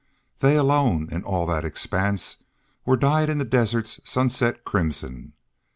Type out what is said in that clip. They alone, in all that expanse, were dyed in the desert's sunset crimson.